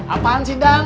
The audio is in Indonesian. apaan sih dang